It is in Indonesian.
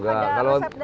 atau ada resep dan